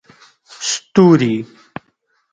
ستوري